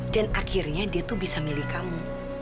dan akhirnya dia tuh bisa milih kamu